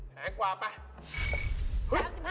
แพงกว่าไป